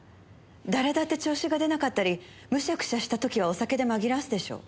誰だって調子がでなかったりムシャクシャした時はお酒で紛らわすでしょ？